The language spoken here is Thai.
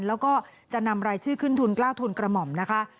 แล้วก็จะนำรายชื่อขึ้นทุนกล้าวทุนกระหม่อมนะคะ